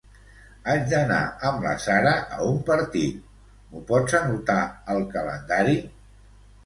Haig d'anar amb la Sara a un partit; m'ho pots anotar al calendari?